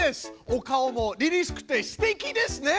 お顔もりりしくてすてきですね！